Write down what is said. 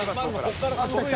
ここから。